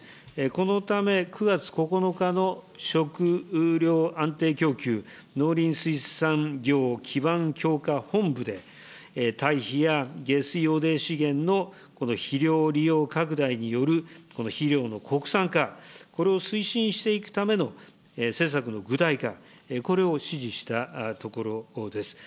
このため９月９日の食料安定供給農林水産業基盤強化本部で、堆肥や下水汚泥資源の肥料利用拡大によるこの肥料の国産化、これを推進していくための施策の具体化、これを指示したところです。